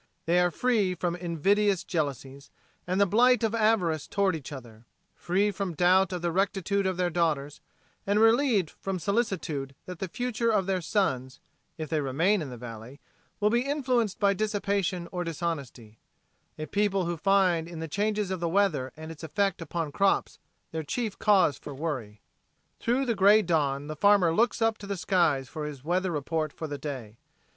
They are free from invidious jealousies and the blight of avarice toward each other, free from doubt of the rectitude of their daughters and relieved from solicitude that the future of their sons, if they remain in the valley, will be influenced by dissipation or dishonesty a people who find in the changes of the weather and its effect upon crops their chief cause for worry. Through the gray dawn the farmer looks up to the skies for his weather report for the day.